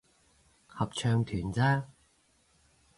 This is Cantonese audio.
合唱團咋